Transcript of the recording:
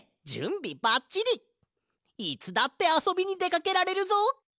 いつだってあそびにでかけられるぞ！